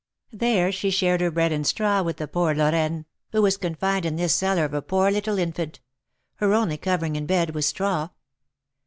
There she shared her bread and straw with the poor Lorraine, who was confined in this cellar of a poor little infant; her only covering and bed was straw!